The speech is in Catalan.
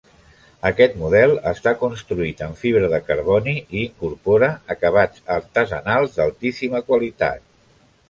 Aquest model està construït en fibra de carboni i incorpora acabats artesanals d'altíssima qualitat.